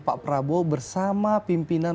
pak prabowo bersama pimpinan